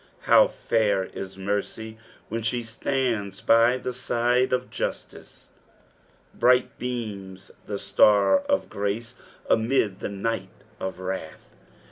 How fair is mercy when she atands by the side of justice I Bright beams the star of grace amid the night of wrath